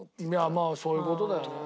まあそういう事だよね。